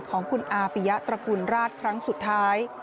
ของคุณอาปิยะตระกูลราชครั้งสุดท้าย